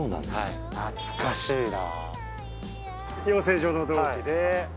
懐かしいな。